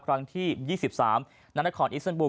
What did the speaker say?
ครั้งที่๒๓นอิศนบุค